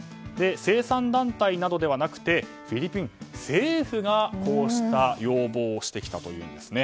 生産団体などではなくフィリピン政府がこうした要望をしてきたというんですね。